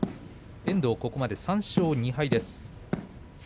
遠藤ここまで３勝２敗です。